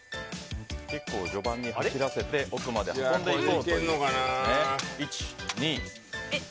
結構、序盤に走らせて奥まで運んでいこうという。